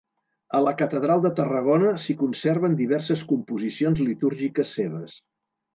A la catedral de Tarragona s'hi conserven diverses composicions litúrgiques seves.